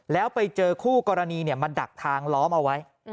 แล้วไปเจอคู่กรณีมาดักทางล้อมเอาไว้